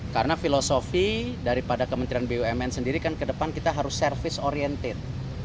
karena filosofi daripada kementerian bumn sendiri kan ke depan kita harus service oriented